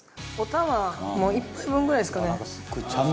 お玉もう１杯分ぐらいですかね。